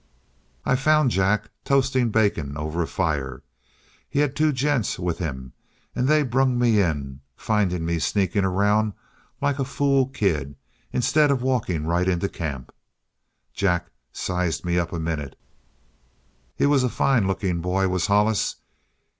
"I found Jack toasting bacon over a fire. He had two gents with him, and they brung me in, finding me sneaking around like a fool kid instead of walking right into camp. Jack sized me up a minute. He was a fine looking boy, was Hollis.